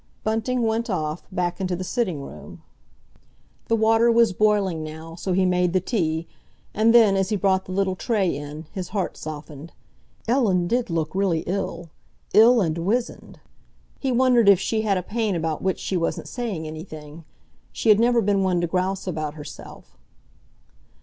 Bunting went off, back into the sitting room. The water was boiling now, so he made the tea; and then, as he brought the little tray in, his heart softened. Ellen did look really ill—ill and wizened. He wondered if she had a pain about which she wasn't saying anything. She had never been one to grouse about herself.